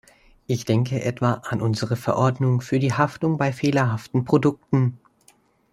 Ich denke etwa an unsere Verordnung für die Haftung bei fehlerhaften Produkten.